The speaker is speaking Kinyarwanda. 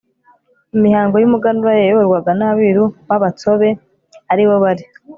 imihango y'umuganura yayoborwaga n'abiru b'abatsobe ari bo bari